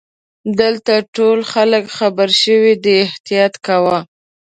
دلته ټول خلګ خبرشوي دي احتیاط کوه.